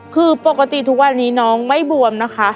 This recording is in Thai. คือปกติทุกวันนี้น้องไม่บวมนะคะ